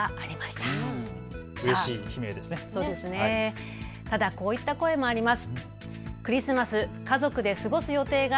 ただこういった声もあります。